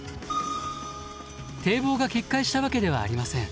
堤防が決壊したわけではありません。